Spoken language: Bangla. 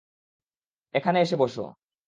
এখানে এসে বস।